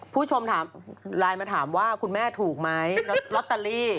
ผู้ชมมาถามว่าคุณแม่ถูกไหมลอตเตอรี่